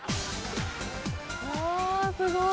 うわすごい！